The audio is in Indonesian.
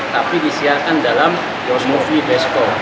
tapi disiarkan dalam film besko